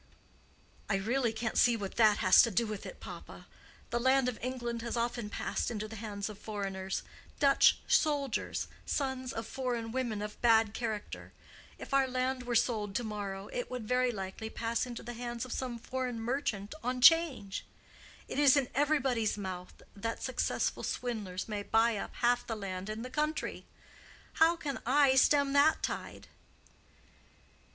"I really can't see what that has to do with it, papa. The land of England has often passed into the hands of foreigners—Dutch soldiers, sons of foreign women of bad character:—if our land were sold to morrow it would very likely pass into the hands of some foreign merchant on 'Change. It is in everybody's mouth that successful swindlers may buy up half the land in the country. How can I stem that tide?"